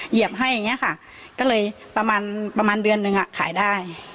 เหยียบให้อย่างนี้ค่ะก็เลยประมาณประมาณเดือนนึงขายได้